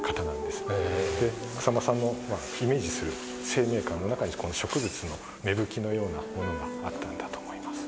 で草間さんのイメージする生命観の中にこの植物の芽吹きのようなものがあったんだと思います。